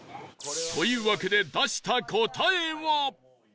というわけで出した答えは